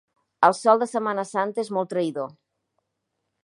El sol de Setmana Santa és molt traïdor.